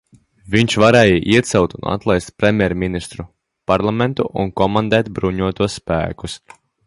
Viņš varēja iecelt un atlaist premjerministru, parlamentu un komandēt bruņotos spēkus.